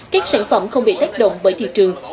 các sản phẩm không bị tác động bởi thị trường